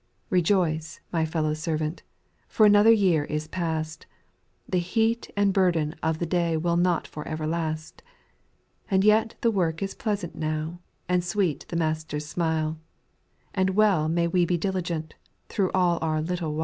8. Rejoice, my fellow servant, for another year is past ; The heat and burden of the day will not for ever last ; And yet the work is pleasant now, and sweet the Master's smile ; And well may we be diligent, thro' all our " little whUe."